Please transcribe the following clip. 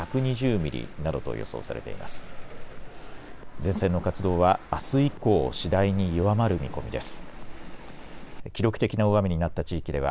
前線の活動はあす以降、次第に弱まる見込みです。